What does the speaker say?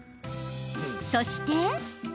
そして。